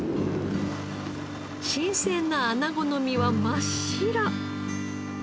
新鮮なアナゴの身は真っ白！